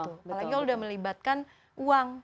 apalagi kalau sudah melibatkan uang